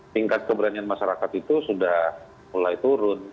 tingkat keberanian masyarakat itu sudah mulai turun